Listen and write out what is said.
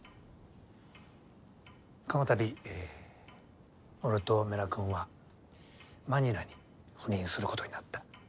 この度俺と米良君はマニラに赴任することになった。